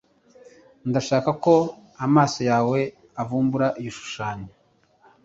kuko ndashaka ko amaso yawe avumbura igishushanyo